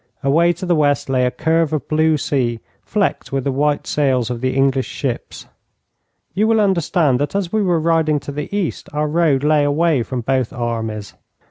Away to the west lay a curve of blue sea flecked with the white sails of the English ships. You will understand that as we were riding to the east, our road lay away from both armies.